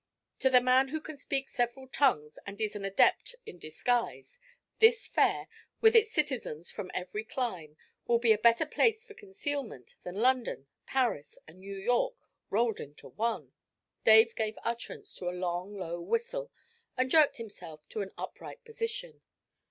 'To the man who can speak several tongues, and is an adept at disguise, this Fair, with its citizens from every clime, will be a better place for concealment than London, Paris, and New York rolled into one.' Dave gave utterance to a long, low whistle, and jerked himself to an upright position.